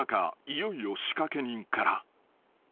いよいよ仕掛け人から］